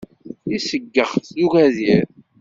Iseggex d ugadir.